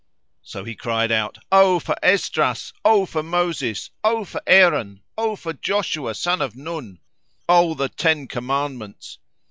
So he cried out, "O for Esdras![FN#499] O for Moses! O for Aaron! O for Joshua, son of Nun! O the Ten Commandments!